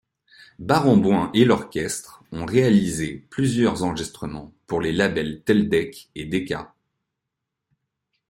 Barenboim et l'orchestre ont réalisé plusieurs enregistrements pour les labels Teldec et Decca.